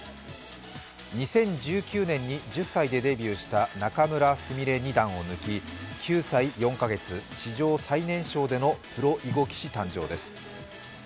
２０１９年に１０歳でデビューした仲邑菫二段を抜き、９歳４カ月、史上最年少でのプロ囲碁棋士誕生です。